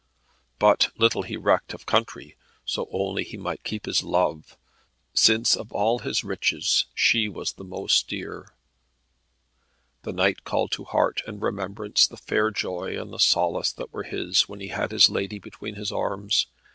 But little he recked of country, so only he might keep his Love, since of all his riches she was the most dear. The knight called to heart and remembrance the fair joy and the solace that were his when he had this lady between his arms.